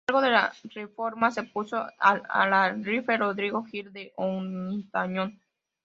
A cargo de la reforma se puso al alarife Rodrigo Gil de Hontañón.